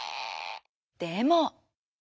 でも。